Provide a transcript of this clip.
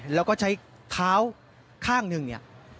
แล้วก็ใช้เท้าข้างหนึ่งเนี่ย